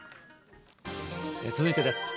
続いてです。